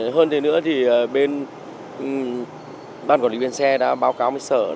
hơn thế nữa thì bên ban quản lý biên xe đã báo cáo